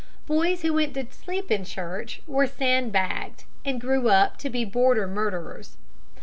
Boys who went to sleep in church were sand bagged, and grew up to be border murderers.